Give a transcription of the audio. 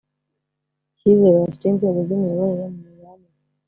cyizere bafitiye inzego z imiyoborere mu mibanire